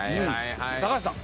高橋さん。